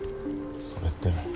それって。